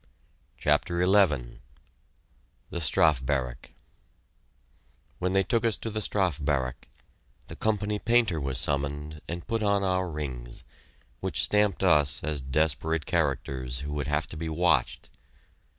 CHAPTER XI THE STRAFE BARRACK When they took us to the Strafe Barrack, the Company painter was summoned and put on our rings, which stamped us as desperate characters who would have to be watched.